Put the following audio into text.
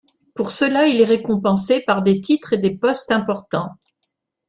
Pour cela, il est récompensé par des titres et des postes importants.